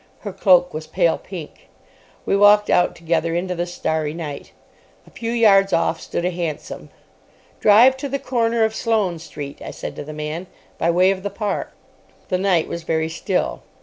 Her cloak was pale pink. We walked out together into the starry night. A few yards off stood a hansom. "Drive to the corner of Sloane Street," I said to the man, "by way of the Park." The night was very still.